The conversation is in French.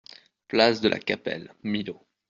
Place de la Capelle, Millau